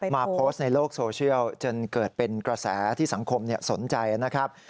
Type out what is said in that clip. โพสต์ในโลกโซเชียลจนเกิดเป็นกระแสที่สังคมสนใจนะครับ